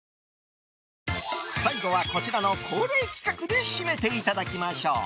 最後はこちらの恒例企画で締めていただきましょう。